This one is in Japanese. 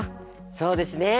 そうですね。